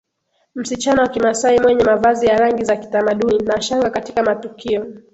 Msichana wa Kimasai mwenye mavazi ya rangi za kitamaduni na shanga katika matukio